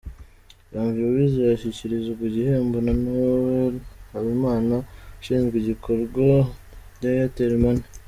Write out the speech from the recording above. Janvier Uwizeye ashyikirezwa igihembo na Noel Habimana ushinzwe ibikorwa bya Airtel Money.